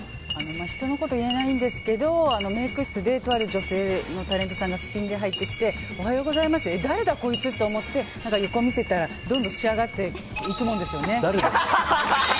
人のこと言えないんですけどメイク室でとある女性のタレントさんがすっぴんで入ってきておはようございますって誰だこいつって思って横見てたら、どんどん仕上がっていくもんですよね。